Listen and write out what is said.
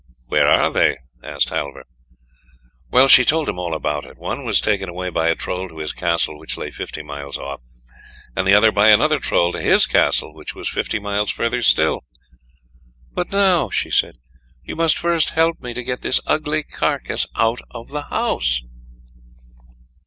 "Where are they?" asked Halvor. Well, she told him all about it; one was taken away by a Troll to his Castle which lay fifty miles off, and the other by another Troll to his Castle which was fifty miles further still. "But now," she said, "you must first help me to get this ugly carcass out of the house."